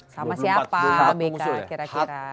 sama siapa abk kira kira